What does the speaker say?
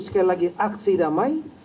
sekali lagi aksi damai